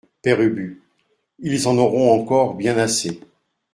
Père Ubu Ils en auront encore bien assez.